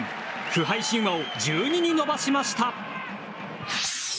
不敗神話を１２に伸ばしました。